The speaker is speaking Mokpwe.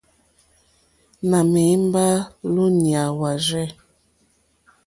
Nà mèmbá wúǔɲá wârzɛ̂.